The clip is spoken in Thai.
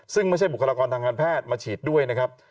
ซึ่งไม่ใช่บุคลากรทางการแพทย์มาฉีดด้วยนะครับ